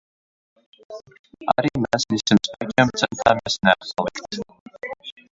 Arī mēs visiem spēkiem centāmies neatpalikt.